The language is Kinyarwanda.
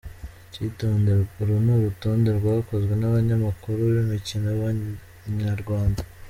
Icyitonderwa: Uru ni urutonde rwakozwe n’abanyamakuru b’imikino ba Inyarwanda.